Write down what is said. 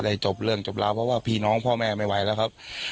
แล้วพี่น้องพ่อแม่ไม่ไหวแล้วครับ